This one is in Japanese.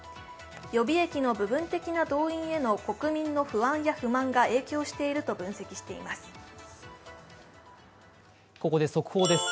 予備役の部分的な動員への国民の不安や不満が影響していると分析しています。